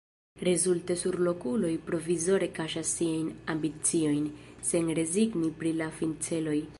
Rezulte surlokuloj provizore kaŝas siajn ambiciojn, sen rezigni pri la finceloj.